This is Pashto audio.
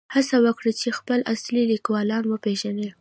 هڅه وکړئ چې خپل اصلي لیکوالان وپېژنئ.